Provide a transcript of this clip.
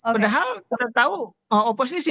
padahal kita tahu oposisi